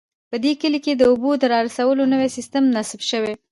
په دې کلي کې د اوبو د رارسولو نوی سیسټم نصب شوی